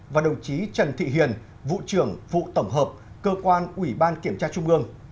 và đồng chí trần thị hiền vụ trưởng vụ tổng hợp cơ quan ủy ban kiểm tra trung ương